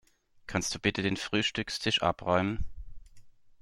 Kannst du bitte den Frühstückstisch abräumen?